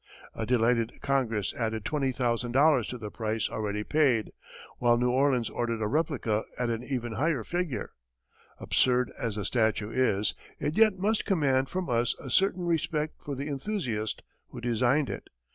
A delighted Congress added $20,000 to the price already paid, while New Orleans ordered a replica at an even higher figure. Absurd as the statue is, it yet must command from us a certain respect for the enthusiast who designed it.